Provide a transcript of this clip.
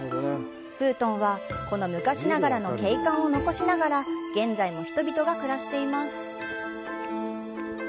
胡同は、この昔ながらの景観を残しながら、現在も人々が暮らしています。